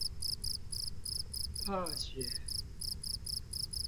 惡血